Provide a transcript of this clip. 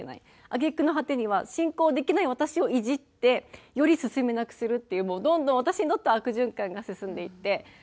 揚げ句の果てには進行できない私をイジってより進めなくするっていうどんどん私にとっては悪循環が進んでいって。